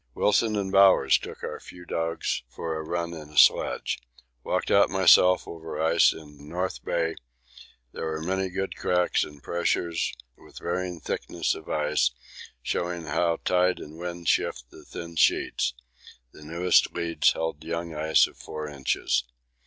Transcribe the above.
Wilson and Bowers took our few dogs for a run in a sledge. Walked myself out over ice in North Bay there are a good many cracks and pressures with varying thickness of ice, showing how tide and wind shift the thin sheets the newest leads held young ice of 4 inches.